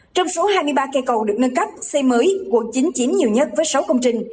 trong số hai mươi ba cây cầu được nâng cấp xây mới quận chín chiếm nhiều nhất với sáu công trình